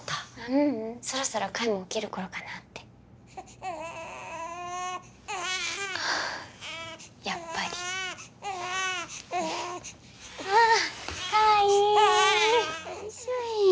ううんそろそろ海も起きるころかなってやっぱりああ海よいしょい